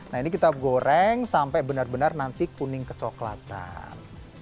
nah ini kita goreng sampai benar benar nanti kuning kecoklatan